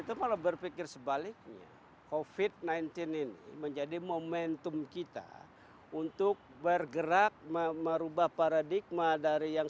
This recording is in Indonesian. itu malah berpikir sebaliknya covid sembilan belas ini menjadi momentum kita untuk bergerak merubah paradigma dari yang